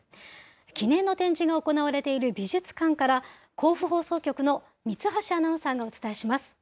記念の展示が行われている美術館から、甲府放送局の三橋アナウンサーがお伝えします。